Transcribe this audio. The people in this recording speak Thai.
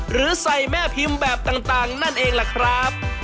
หรือใส่แม่พิมพ์แบบต่างนั่นเองล่ะครับ